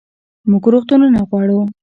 موږ روغتونونه غواړو